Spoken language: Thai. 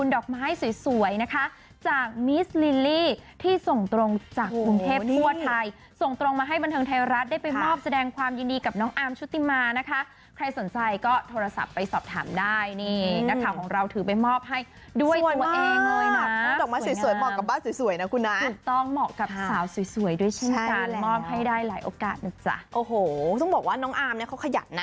ดอกมาให้สวยสวยนะคะจากมิสลิลลี่ที่ส่งตรงจากกรุงเทพทั่วไทยส่งตรงมาให้บันเทิงไทยรัฐได้ไปมอบแสดงความยินดีกับน้องอามชุติมานะคะใครสนใจก็โทรศัพท์ไปสอบถามได้นี่นะคะของเราถือไปมอบให้ด้วยตัวเองเลยนะดอกมาสวยสวยเหมาะกับบ้านสวยสวยนะคุณนะถูกต้องเหมาะกับสาวสวยสวยด้วยชิ้นการมอบให้ได้หลายโอกาสนะจ้ะโอ